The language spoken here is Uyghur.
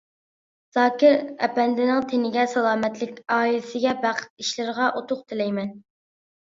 زاكىر ئەپەندىنىڭ تېنىگە سالامەتلىك ئائىلىسىگە بەخت، ئىشلىرىغا ئۇتۇق تىلەيمەن.